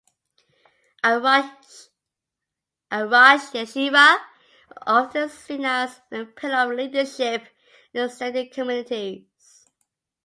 A rosh yeshiva is often seen as a pillar of leadership in extended communities.